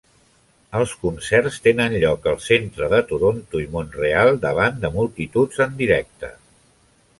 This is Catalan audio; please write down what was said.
Els concerts tenen lloc al centre de Toronto i Mont-real davant de multituds en directe.